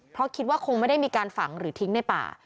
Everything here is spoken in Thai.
เพราะคิดว่าคงไม่ได้มีการฝังหรือทิ้งในป่า